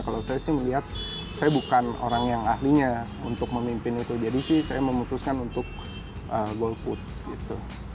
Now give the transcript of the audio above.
kalau saya sih melihat saya bukan orang yang ahlinya untuk memimpin itu jadi sih saya memutuskan untuk golput gitu